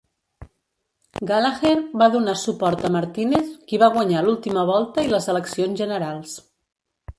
Gallagher va donar suport a Martínez, qui va guanyar l'ultima volta i les eleccions generals.